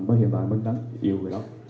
và hiện tại mình đang yêu người đó